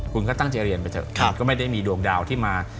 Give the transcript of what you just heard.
คุณก็ตั้งใจเรียนไปเถอะคุณก็ไม่ได้มีดวงดาวที่มา